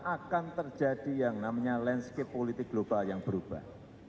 akan terjadi yang namanya landscape politik global yang berubah